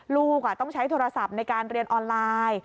ลูกต้องใช้โทรศัพท์ในการเรียนออนไลน์